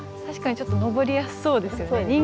確かにちょっと登りやすそうですよね。